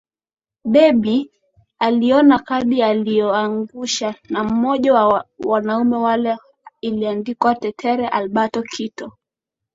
Debby aliona kadi iliyoangusha na mmoja wa wanaume wale iliandikwa Tetere Alberto Kito